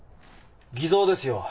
偽造ですよ。